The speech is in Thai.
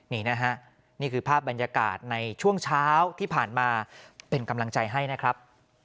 นี่นะฮะนี่คือภาพบรรยากาศในช่วงเช้าที่ผ่านมาเป็นกำลังใจให้นะครับ